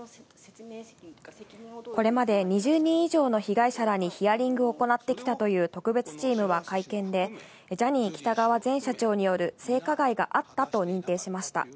これまで２０人以上の被害者らにヒアリングを行ってきたという特別チームは会見で、ジャニー喜多川前社長による性加害があったと認定しました。